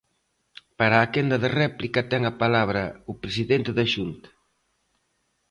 Para a quenda de réplica ten a palabra o presidente da Xunta.